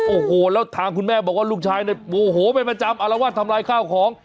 โอ้โหแล้วทางคุณแม่บอกว่าลูกชายเนี่ยโมโหเป็นประจำอารวาสทำลายข้าวของ